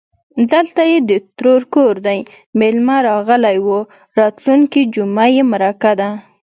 _دلته يې د ترور کور دی، مېلمه راغلی و. راتلونکې جومه يې مرکه ده.